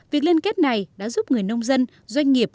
việc liên kết này đã giúp người nông dân doanh nghiệp